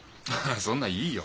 そんなのいいよ。